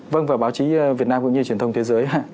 vâng và báo chí việt nam cũng như truyền thông thế giới